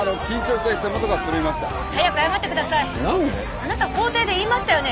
あなた法廷で言いましたよね？